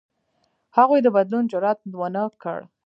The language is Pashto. هغوی د بدلون جرئت ونه کړ.